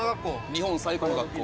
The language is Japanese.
日本最古の学校。